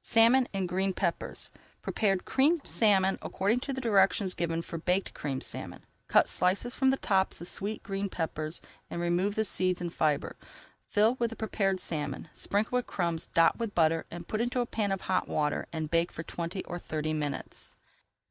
SALMON IN GREEN PEPPERS Prepare Creamed Salmon according to directions given for Baked Creamed Salmon. Cut slices from the tops of sweet green peppers, remove the seeds and fibre, fill with the prepared salmon, sprinkle with crumbs, dot with butter, put into a pan of hot water and bake for twenty or thirty minutes.